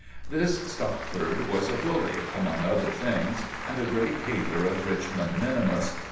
This Stopford was a bully, among other things, and a great hater of Richmond minimus.